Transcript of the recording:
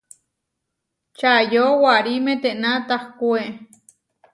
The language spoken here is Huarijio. Čayó warí metená tahkué.